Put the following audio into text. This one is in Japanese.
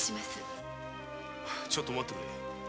ちょっと待ってくれ！